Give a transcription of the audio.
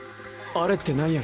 あれってなんや？